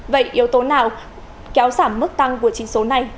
vậy yếu tố nào kéo giảm mức tăng của chính số này